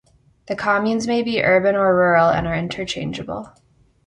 The communes may be urban or rural and are interchangeable.